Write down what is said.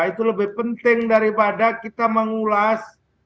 itu lebih penting daripada kita mengulas